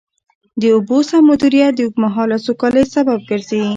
د اوبو سم مدیریت د اوږدمهاله سوکالۍ سبب ګرځي.